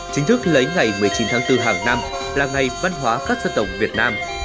chính thức lấy ngày một mươi chín tháng bốn hàng năm là ngày văn hóa các dân tộc việt nam